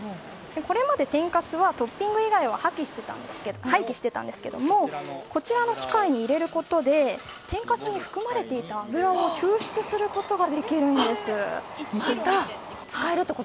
これまで天かすはトッピング以外は廃棄していたんですがこちらの機械に入れることで天かすに含まれていた油を抽出することができるんです。